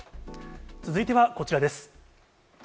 続いてはこちらです。